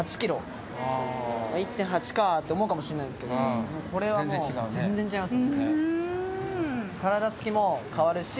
１．８かって思うかもしんないですけどこれはもう全然違います。